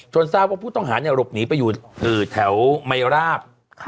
จนทราบว่าผู้ต้องหาเนี่ยหลบหนีไปอืดที่แถวมายาราบ